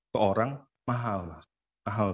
ke orang mahal mahal